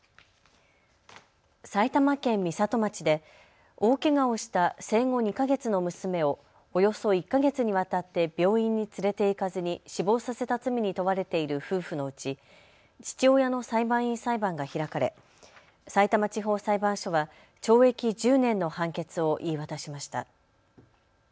埼玉県美里町で大けがをした生後２か月の娘をおよそ１か月にわたって病院に連れて行かずに死亡させた罪に問われている夫婦のうち父親の裁判員裁判が開かれさいたま地方裁判所は懲役１０年の判決を言い渡しました。